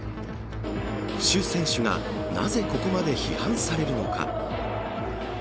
シュ選手が、なぜここまで批判されるのか。